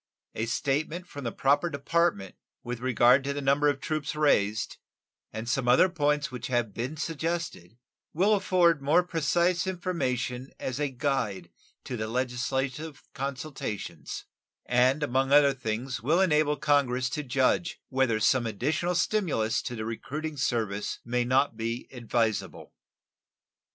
A statement from the proper department with regard to the number of troops raised, and some other points which have been suggested, will afford more precise information as a guide to the legislative consultations, and among other things will enable Congress to judge whether some additional stimulus to the recruiting service may not be advisable.